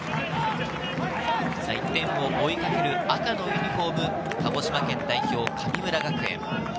１点を追いかける赤のユニホーム、鹿児島県代表・神村学園。